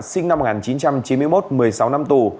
sinh năm một nghìn chín trăm chín mươi một một mươi sáu năm tù